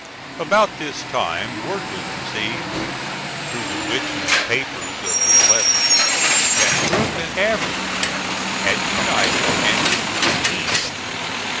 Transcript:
About this time word was received (through the Richmond papers of the 11th) that Crook and Averell had united and were moving east.